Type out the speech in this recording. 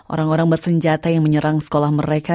orang orang bersenjata yang menyerang sekolah mereka